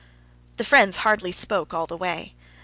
The friends hardly spoke all the way.